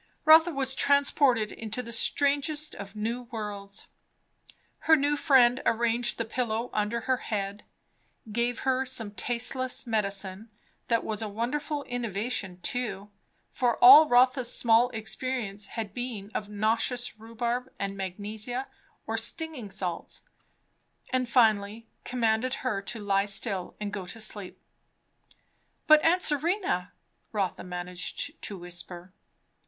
Rotha was transported into the strangest of new worlds. Her new friend arranged the pillow under her head, gave her some tasteless medicine; that was a wonderful innovation too, for all Rotha's small experience had been of nauseous rhubarb and magnesia or stinging salts; and finally commanded her to lie still and go to sleep. "But aunt Serena ?" Rotha managed to whisper.